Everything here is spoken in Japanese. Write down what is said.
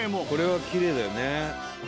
これはきれいだよね。